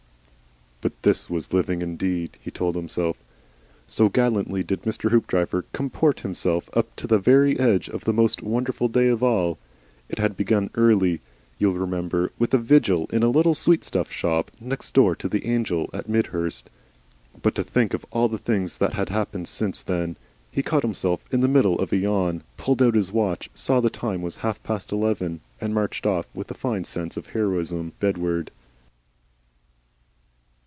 But this was living indeed! he told himself. So gallantly did Mr. Hoopdriver comport himself up to the very edge of the Most Wonderful Day of all. It had begun early, you will remember, with a vigil in a little sweetstuff shop next door to the Angel at Midhurst. But to think of all the things that had happened since then! He caught himself in the middle of a yawn, pulled out his watch, saw the time was halfpast eleven, and marched off, with a fine sense of heroism, bedward.